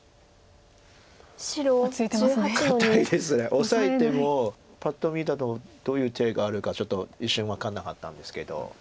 オサえてもパッと見だとどういう手があるかちょっと一瞬分かんなかったんですけど。